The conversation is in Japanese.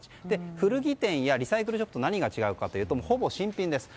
古着店やリサイクルショップと何が違うかというとほぼ新品です。